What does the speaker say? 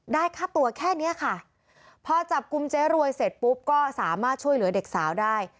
ค่าตัวแค่เนี้ยค่ะพอจับกลุ่มเจ๊รวยเสร็จปุ๊บก็สามารถช่วยเหลือเด็กสาวได้